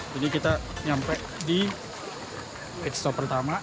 jadi kita sampai di desktop pertama